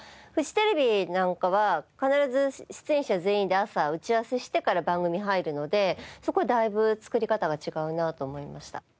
フジテレビなんかは必ず出演者全員で朝打ち合わせしてから番組に入るのでそこはだいぶ作り方が違うなと思いました。